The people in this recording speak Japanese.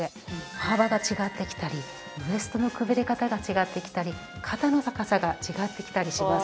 歩幅が違ってきたりウエストのくびれ方が違ってきたり肩の高さが違ってきたりします。